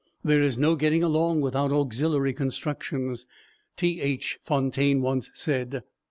"There is no getting along without auxiliary constructions," Th. Fontaine once said.